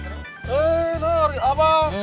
eh nuri apa